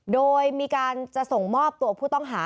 โดยมีการจะส่งมอบตัวผู้ต้องหา